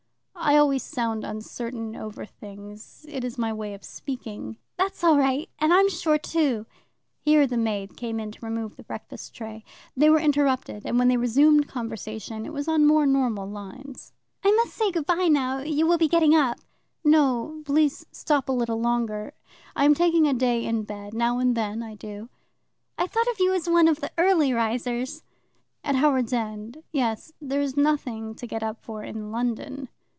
"I always sound uncertain over things. It is my way of speaking." "That's all right, and I'm sure too." Here the maid came in to remove the breakfast tray. They were interrupted, and when they resumed conversation it was on more normal lines. "I must say good bye now you will be getting up." "No please stop a little longer I am taking a day in bed. Now and then I do." "I thought of you as one of the early risers." "At Howards End yes; there is nothing to get up for in London."